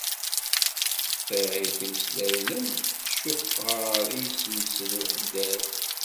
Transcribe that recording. Qeṭṭiεit imeslayen, am tcuqar i yessemsed uḥeddad.